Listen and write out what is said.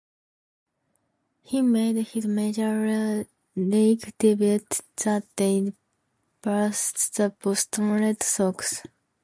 He made his major league debut that day versus the Boston Red Sox.